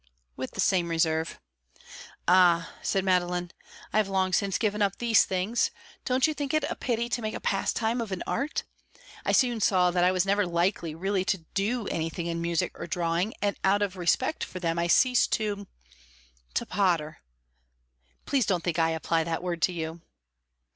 "With the same reserve." "Ah," said Madeline, "I have long since given up these things. Don't you think it is a pity to make a pastime of an art? I soon saw that I was never likely really to do anything in music or drawing, and out of respect for them I ceased to to potter. Please don't think I apply that word to you."